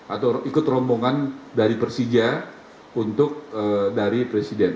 atau ikut rombongan dari persija untuk dari presiden